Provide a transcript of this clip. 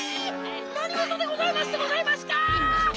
なにごとでございますでございますか？